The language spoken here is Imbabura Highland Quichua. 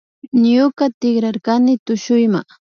Ñuka tikrarkani tushuyma